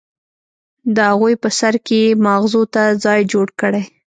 د اغوئ په سر کې يې ماغزو ته ځای جوړ کړی.